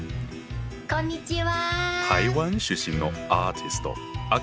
こんにちは。